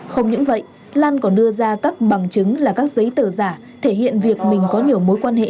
không những vậy lan còn đưa ra các bằng chứng là các giấy tờ giả thể hiện việc mình có nhiều mối quan hệ